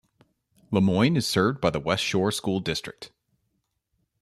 Lemoyne is served by the West Shore School District.